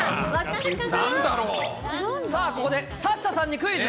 さあ、ここでサッシャさんにクイズ。